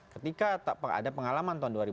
ketika ada pengalaman tahun dua ribu empat belas